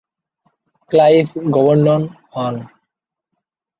Clive governor হন।